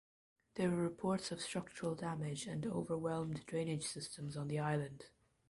There were reports of structural damage and overwhelmed drainage systems on the island.